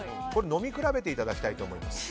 飲み比べていただきたいと思います。